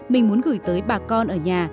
mình muốn gửi tới bà con ở nhà